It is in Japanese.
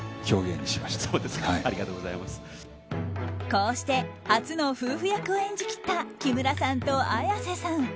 こうして初の夫婦役を演じ切った木村さんと綾瀬さん。